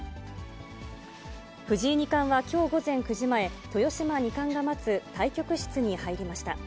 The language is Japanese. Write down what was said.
藤井二冠はきょう午前９時前、豊島二冠が待つ対局室に入りました。